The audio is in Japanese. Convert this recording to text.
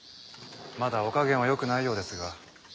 まだお加減はよくないようですが。